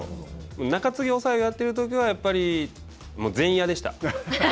中継ぎ、抑えをやっているときにはやっぱり全員嫌でした。